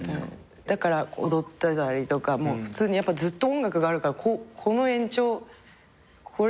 だから踊ってたりとか普通にずっと音楽があるからこの延長これで延長で。